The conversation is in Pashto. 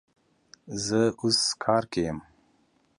زه اوس کار کی یم